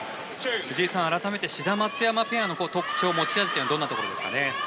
藤井さん、改めて志田・松山ペアの特徴、持ち味はどんなところですかね。